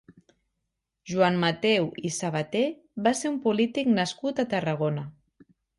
Joan Matheu i Sabater va ser un polític nascut a Tarragona.